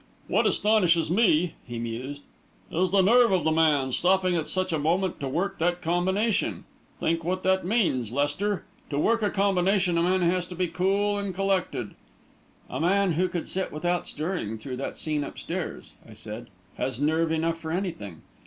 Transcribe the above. "What astonishes me," he mused, "is the nerve of the man, stopping at such a moment to work that combination. Think what that means, Lester; to work a combination, a man has to be cool and collected." "A man who could sit without stirring through that scene upstairs," I said, "has nerve enough for anything.